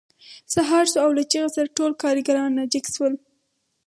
سهار شو او له چیغې سره ټول کارګران راجګ شول